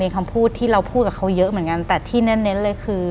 หลังจากนั้นเราไม่ได้คุยกันนะคะเดินเข้าบ้านอืม